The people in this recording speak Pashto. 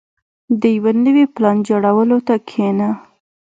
• د یو نوي پلان جوړولو ته کښېنه.